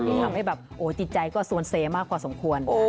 ทำให้แบบจิตใจก็สวนเซมากพอสมควร